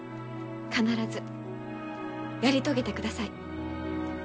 必ずやり遂げてください。